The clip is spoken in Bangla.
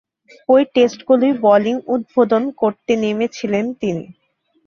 ঐ টেস্টগুলোয় বোলিং উদ্বোধন করতে নেমেছিলেন তিনি।